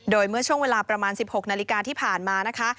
โดยเมื่อช่วงเวลาประมาณ๑๖นาฬิกาที่ผ่านมานะคะ